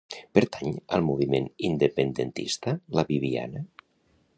Pertany al moviment independentista la Bibiana?